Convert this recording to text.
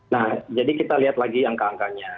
nah jadi kita lihat lagi angka angkanya